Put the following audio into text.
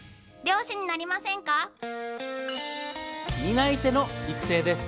担い手の育成です。